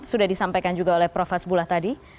sudah disampaikan juga oleh prof hasbullah tadi